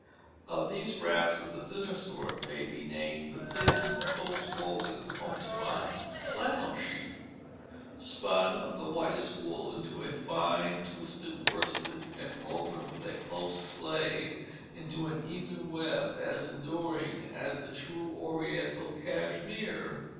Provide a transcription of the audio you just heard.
Of these wraps, of the thinner sort, may be named the thin, close woven, homespun "flannel sheet," spun of the whitest wool into a fine twisted worsted, and woven with a close sley into an even web as enduring as the true Oriental cashmere.